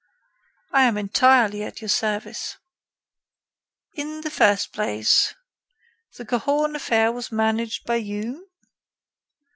"I am entirely at your service." "In the first place, the Cahorn affair was managed by you?"